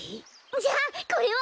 じゃあこれは？